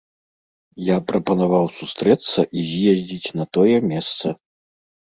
Я прапанаваў сустрэцца і з'ездзіць на тое месца.